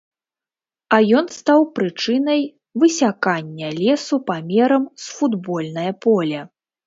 А ён стаў прычынай высякання лесу памерам з футбольнае поле.